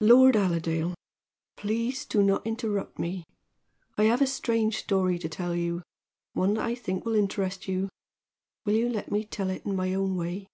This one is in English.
"Lord Allerdale, please do not interrupt me. I have a strange story to tell to you one that I think will interest you. Will you let me tell it in my own way?"